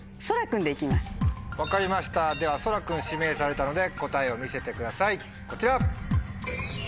分かりましたではそら君指名されたので答えを見せてくださいこちら。